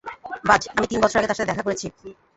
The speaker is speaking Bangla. বায, আমি তিন বছর আগে তার সাথে দেখা করেছি।